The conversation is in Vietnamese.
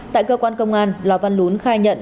tại cơ quan công an lò văn lún khai nhận